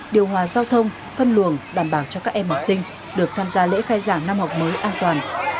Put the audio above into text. điều hòa giao thông phân luồng đảm bảo cho các em học sinh được tham gia lễ khai giảng năm học mới an toàn